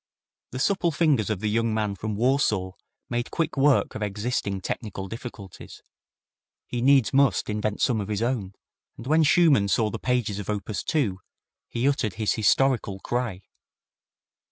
The supple fingers of the young man from Warsaw made quick work of existing technical difficulties. He needs must invent some of his own, and when Schumann saw the pages of op. 2 he uttered his historical cry.